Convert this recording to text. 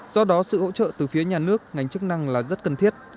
do đó sự hỗ trợ từ phía nhà nước ngành chức năng là rất cần thiết